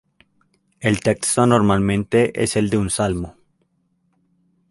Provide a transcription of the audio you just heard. El texto normalmente es el de un salmo.